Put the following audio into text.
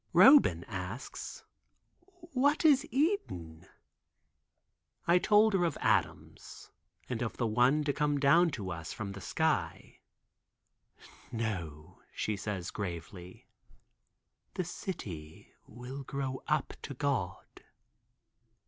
Roban asks, "What is Eden?" I told her of Adam's, and the one to come down to us from the sky. "No," she says gravely, "the city will grow up to God."